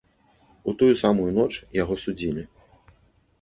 У тую самую ноч яго судзілі.